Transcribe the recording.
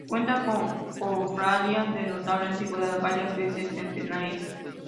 Cuenta con cofradías de notable antigüedad, varias veces centenarias.